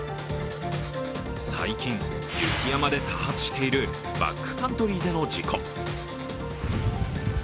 最近、雪山で多発しているバックカントリーでの事故。